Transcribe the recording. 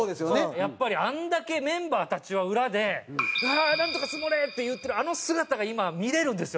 やっぱりあれだけメンバーたちは裏で「うわー！なんとかツモれ！」って言ってるあの姿が今見れるんですよ